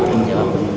lima belas yang lain